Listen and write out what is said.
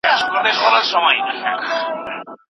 ځان باور د تمرین په واسطه لاسته راځي.